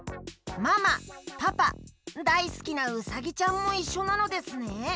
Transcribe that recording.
ママパパだいすきなうさぎちゃんもいっしょなのですね。